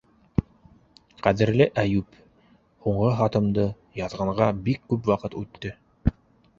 Ҡәҙерле Әйүп! һуңғы хатымды яҙғанға бик күп ваҡыт үтте.